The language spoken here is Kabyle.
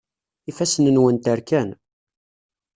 Ifassen-nwent rkan.